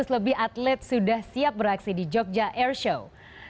lima ratus lebih atlet sudah siap beraksi di jogja airshow